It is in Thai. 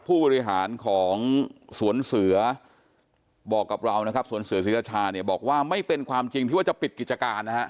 ผู้บริหารของสวนเสือบอกกับเรานะครับสวนเสือศรีราชาเนี่ยบอกว่าไม่เป็นความจริงที่ว่าจะปิดกิจการนะฮะ